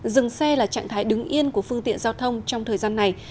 dừng xe là trạng thái đứng yên của phương tiện giao thông trong thời gian này